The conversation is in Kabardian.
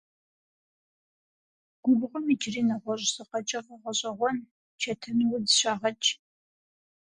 Губгъуэм иджыри нэгъуэщӀ зы къэкӀыгъэ гъэщӀэгъуэн – чэтэнудз - щагъэкӀ.